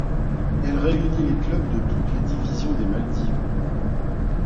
Elle réunit les clubs de toutes les divisions des Maldives.